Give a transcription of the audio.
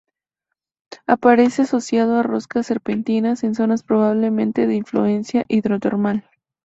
Aparece asociado a rocas serpentinas, en zonas probablemente de influencia hidrotermal.